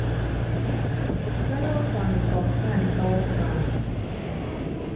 Okusalawo kwange kwa kutandikawo ffaamu.